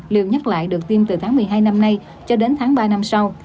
liều nhắc lại được tiêm từ tháng một mươi hai năm nay cho đến tháng ba năm sau